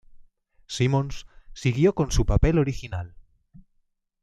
Simmons siguió con su papel original.